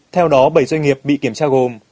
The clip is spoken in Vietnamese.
theo đó bảy doanh nghiệp bị kiểm tra gồm